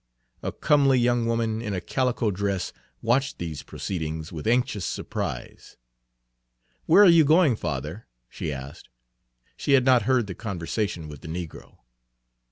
A comely young woman in a calico dress watched these proceedings with anxious surprise. "Where are you going, father?" she asked. She had not heard the conversation with the negro.